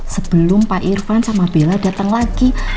sebelum pak irvan sama bella datang lagi